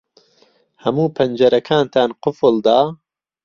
ھەموو پەنجەرەکانتان قوفڵ دا؟